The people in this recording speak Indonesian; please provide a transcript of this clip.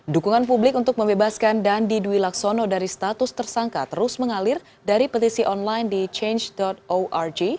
dukungan publik untuk membebaskan dandi dwi laksono dari status tersangka terus mengalir dari petisi online di change org